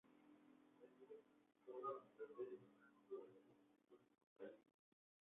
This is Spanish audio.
Recibe toda la humedad del Atlántico gracias a los vientos alisios.